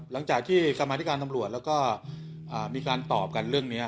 หลังจากที่กรรมาธิการตำรวจแล้วก็มีการตอบกันเรื่องนี้